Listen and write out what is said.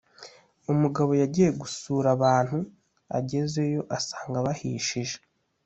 umugabo yagiye gusura bantu agezeyo asanga bahishije